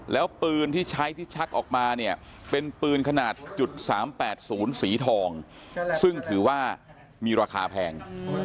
แล้วปืนที่ใช้ที่ชักออกมาเนี่ยเป็นปืนขนาด๓๘๐สีทองซึ่งถือว่ามีราคาแพง